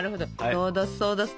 そうどすそうどす。